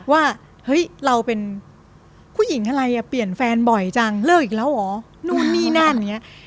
ว่าเฮ้ยเราเป็นผู้หญิงอะไรอ่ะเปลี่ยนแฟนบ่อยจังเลิกอีกแล้วเหรอนู่นนี่นั่นอย่างนี้